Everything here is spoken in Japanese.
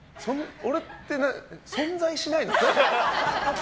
俺って存在しないの？